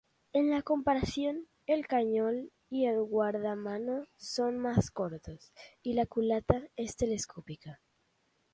En comparación, el cañón y guardamano son más cortos y la culata es telescópica.